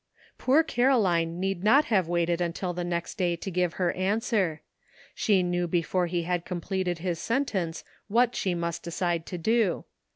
Poor Caroline need not have waited until the next day to give her answer. She knew before he had completed his sentence what she must decide to do.